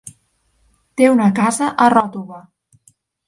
Té una casa a Ròtova.